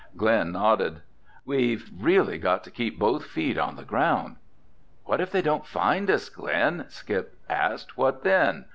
Glenn nodded. "We've really got to keep both feet on the ground!" "What if they don't find us, Glen?" Skip asked. "What then?"